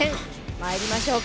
まいりましょうか。